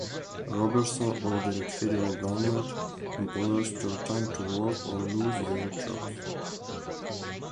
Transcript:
Robertson ordered federal government employees to return to work or lose their jobs.